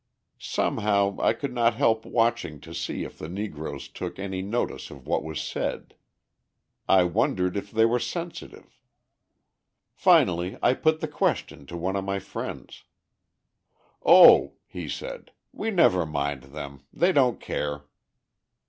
Somehow, I could not help watching to see if the Negroes took any notice of what was said. I wondered if they were sensitive. Finally, I put the question to one of my friends: "Oh," he said, "we never mind them; they don't care."